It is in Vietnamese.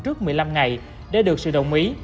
trước một mươi năm ngày để được sự đồng ý